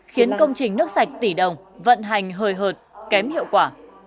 khiến công trình nước sạch tỷ đồng vận hành hời hợt kém hiệu quả